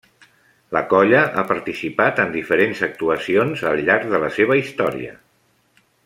La colla ha participat en diferents actuacions al llarg de la seva història.